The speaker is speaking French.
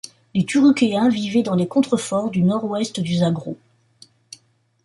Les Turukkéens vivaient dans les contreforts du nord-ouest du Zagros.